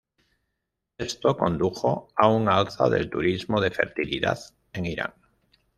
Esto condujo a un alza del "turismo de fertilidad" en Irán.